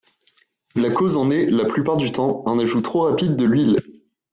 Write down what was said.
La cause en est, la plupart du temps, un ajout trop rapide de l'huile.